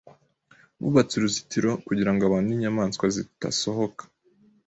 Bubatse uruzitiro kugirango abantu ninyamaswa zitasohoka.